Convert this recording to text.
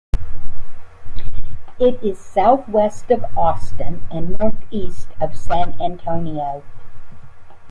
It is southwest of Austin and northeast of San Antonio.